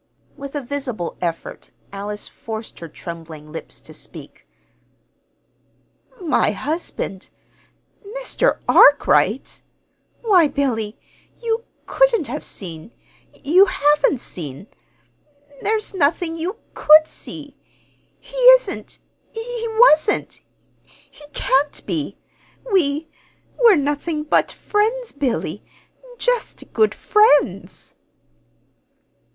With a visible effort Alice forced her trembling lips to speak. "My husband Mr. Arkwright! Why, Billy, you couldn't have seen you haven't seen there's nothing you could see! He isn't he wasn't he can't be! We we're nothing but friends, Billy, just good friends!"